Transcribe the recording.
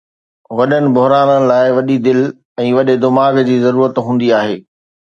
وڏن بحرانن لاءِ وڏي دل ۽ وڏي دماغ جي ضرورت هوندي آهي.